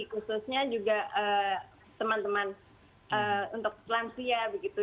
khususnya juga teman teman untuk lansia begitu